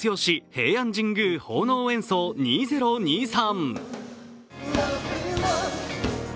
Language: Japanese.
平安神宮奉納演奏２０２３。